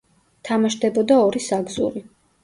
თამაშდებოდა ორი საგზური.